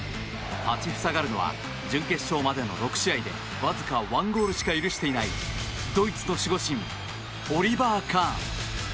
立ち塞がるのは準決勝までの６試合でわずか１ゴールしか許していないドイツの守護神オリバー・カーン。